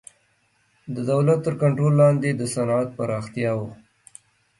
د دولت تر کنټرول لاندې د صنعت پراختیا و.